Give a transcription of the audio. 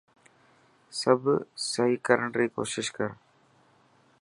سڀ سهي ڪرڻ ري ڪوشش ڪر.